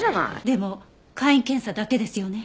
でも簡易検査だけですよね？